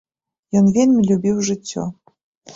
Ён вельмі любіў жыццё.